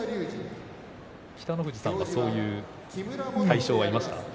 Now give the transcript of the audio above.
北の富士さんはそういう対象はいましたか。